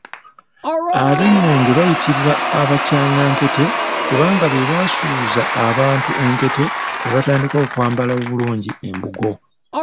Ab'engonge bayitibwa 'abakyangankete' kubanga be basuuza abantu enkete ne batandika okwambala obulungi embugo.